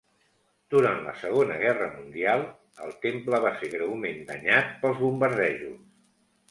Durant la Segona Guerra Mundial, el temple va ser greument danyat pels bombardejos.